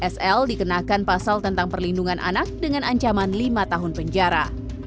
sl dikenakan pasal tentang perlindungan anak dengan ancaman lima tahun penjara